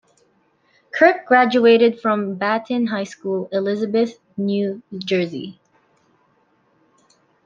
Kirk graduated from Battin High School, Elizabeth, New Jersey.